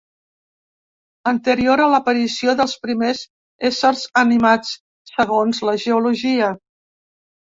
Anterior a l'aparició dels primers éssers animats, segons la geologia.